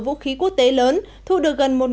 vũ khí quốc tế lớn thu được gần